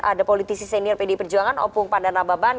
ada politisi senior pdi perjuangan opung pandana baban